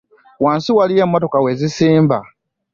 Wansi waliyo emmotoka we zisimba.